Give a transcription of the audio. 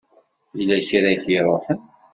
Yella kra i k-iruḥen?